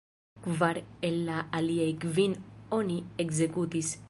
Kvar el la aliaj kvin oni ekzekutis.